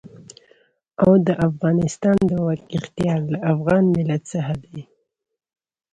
او د افغانستان د واک اختيار له افغان ملت څخه دی.